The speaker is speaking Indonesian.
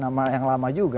nama yang lama juga